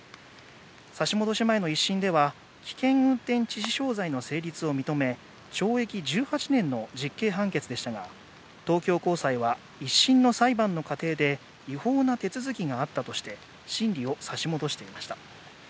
差し戻し前の１審では、危険運転致死傷罪の成立を認め懲役１８年の実刑判決でしたが、東京高裁は１審の裁判の過程で違法な手続きがあったとして審理を差し戻していました。